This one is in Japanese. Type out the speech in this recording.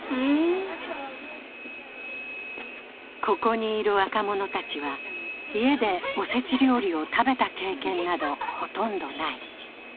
ここにいる若者たちは、家でお節料理を食べた経験などほとんどない。